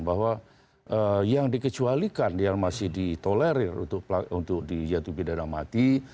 bahwa yang dikecualikan yang masih ditolerir untuk dijatuhi pidana mati